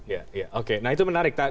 iya oke nah itu menarik